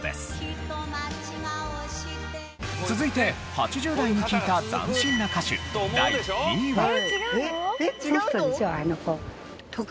続いて８０代に聞いた斬新な歌手第２位は。